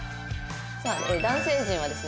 さあ男性陣はですね